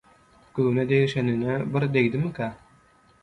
Göwne degişenine bir degdimikä?